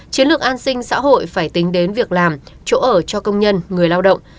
chiến lược an sinh xã hội phải tính đến việc làm chỗ ở cho công nhân người lao động